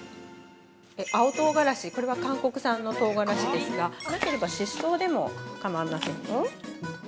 ◆青とうがらし、これは韓国産のとうがらしですがなければ、ししとうでも構いませんよ。